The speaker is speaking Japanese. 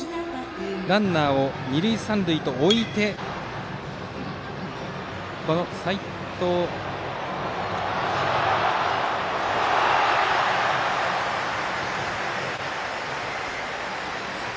ランナーを二塁三塁と置いた状態から。